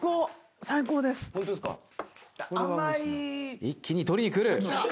最高です。